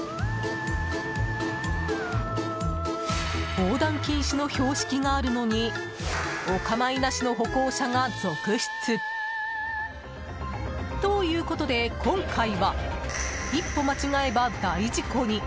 横断禁止の標識があるのにお構いなしの歩行者が続出。ということで、今回は一歩間違えば大事故に！